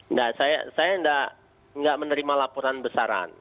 nggak saya nggak menerima laporan besaran